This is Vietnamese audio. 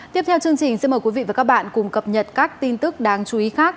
tiếp theo chương trình xin mời quý vị và các bạn cùng cập nhật các tin tức đáng chú ý khác